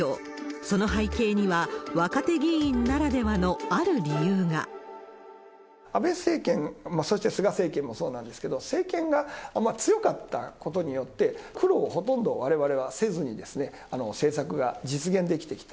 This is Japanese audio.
その背景には、安倍政権、そして菅政権もそうなんですけど、政権が強かったことによって、苦労をほとんど、われわれはせずに政策が実現できてきた。